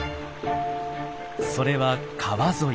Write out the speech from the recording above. それは川沿い。